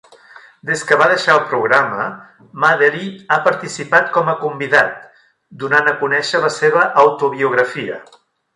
Des que va deixar el programa, Madeley ha participat com a convidat, donant a conèixer la seva autobiografia.